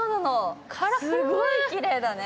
すごいきれいだね。